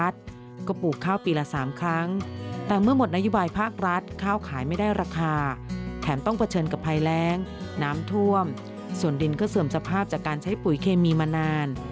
แถมต้องเผชิญกับภัยแล้งน้ำท่วมส่วนดินก็เสื่อมสภาพจากการใช้ปุ๋ยเคมีมานาน